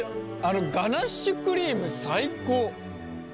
ガナッシュクリーム最高。